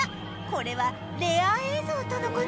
これはレア映像との事